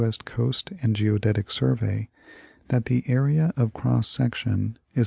S. Coast and Geodetic Survey, that the area of cross section is 10.